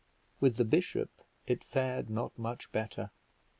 With the bishop it fared not much better.